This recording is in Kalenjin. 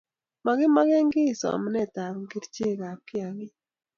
makimeken kiy somanetab kerchekab kiagik.